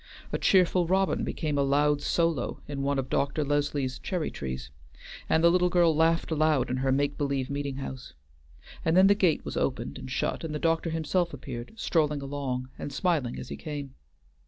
A cheerful robin began a loud solo in one of Dr. Leslie's cherry trees, and the little girl laughed aloud in her make believe meeting house, and then the gate was opened and shut, and the doctor himself appeared, strolling along, and smiling as he came.